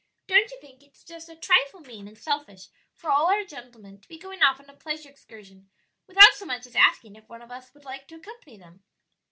Don't you think it is just a trifle mean and selfish for all our gentlemen to be going off on a pleasure excursion without so much as asking if one of us would like to accompany them?"